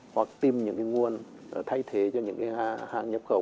hoặc tìm những nguồn thay thế cho những hàng nhập khẩu